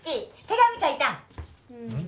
手紙書いたん？